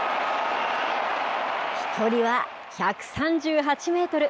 飛距離は１３８メートル。